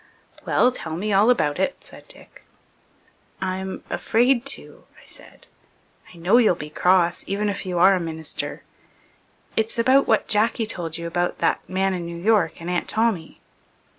"Well, tell me all about it," said Dick. "I'm afraid to," I said. "I know you'll be cross even if you are a minister. It's about what Jack told you about that man in New York and Aunt Tommy."